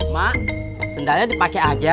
mak sendalnya dipake aja